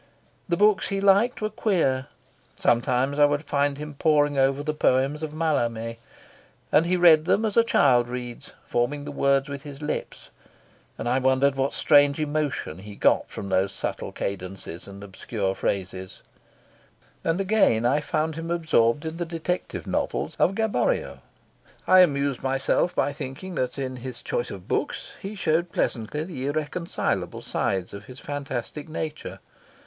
The books he liked were queer; sometimes I would find him poring over the poems of Mallarme, and he read them as a child reads, forming the words with his lips, and I wondered what strange emotion he got from those subtle cadences and obscure phrases; and again I found him absorbed in the detective novels of Gaboriau. I amused myself by thinking that in his choice of books he showed pleasantly the irreconcilable sides of his fantastic nature.